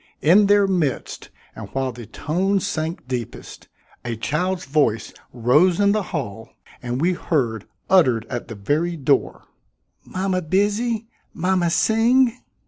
In their midst and while the tones sank deepest, a child's voice rose in the hall and we heard, uttered at the very door: "Mama busy; mama sing."